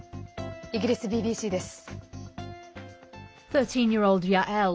イギリスＢＢＣです。